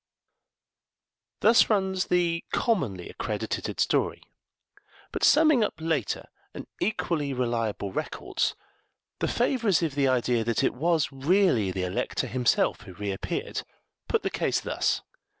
Thus runs the commonly accredited story; but summing up later and equally reliable records, the favourers of the idea that it was really the Elector himself who reappeared put the case thus.